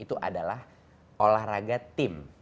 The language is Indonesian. itu adalah olahraga tim